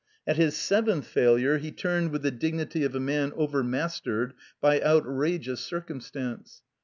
At his seventh failure he tiuned with the dignity of a man overmastered by outrageous circumstance.